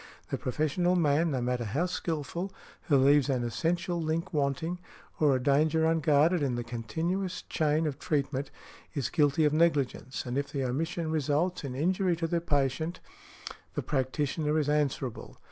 The professional man, no matter how skilful, who leaves an essential link wanting, or a danger unguarded in the continuous chain of treatment, is guilty of negligence, and if the omission results in injury to the patient, the practitioner is answerable.